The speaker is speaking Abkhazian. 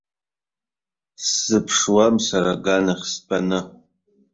Сзыԥашуам сара аганахь стәаны!